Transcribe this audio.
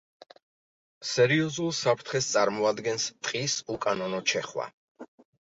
სერიოზულ საფრთხეს წარმოადგენს ტყის უკანონო ჩეხვა.